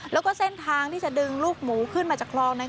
แล้วก็เส้นทางที่จะดึงลูกหมูขึ้นมาจากคลองนั้น